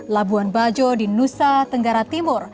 labuan bajo di nusa tenggara timur